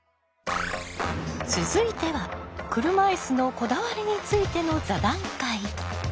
続いては車いすのこだわりについての座談会。